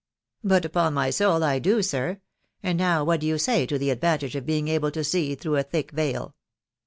'*" But* upon my soul, I d&> sir. •. Aad now what do yp* say to the advantage of being able to see through & tbkkrvtal